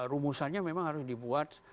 rumusannya memang harus dibuat